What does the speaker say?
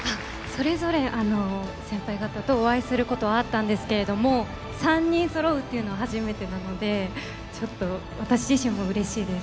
それぞれ先輩方とお会いすることはあったんですけれども３人そろうっていうのは初めてなのでちょっと私自身もうれしいです。